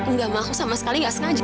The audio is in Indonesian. nggak mau sama sekali nggak sengaja